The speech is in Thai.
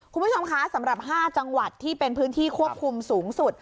คุณผู้ชมคะสำหรับ๕จังหวัดที่เป็นพื้นที่ควบคุมสูงสุด